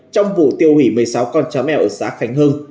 trong vụ tiêu hủy một mươi sáu con chó mèo ở xã cảnh hương